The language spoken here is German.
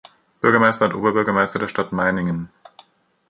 Bürgermeister und Oberbürgermeister der Stadt Meiningen.